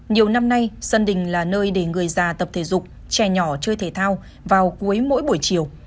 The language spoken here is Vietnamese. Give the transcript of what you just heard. nhiều năm nay gia đình là nơi để người già tập thể dục trẻ nhỏ chơi thể thao vào cuối mỗi buổi chiều